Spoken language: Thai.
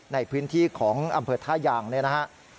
ในพื้นที่ของอำเภอท่ายางเลยนะครับ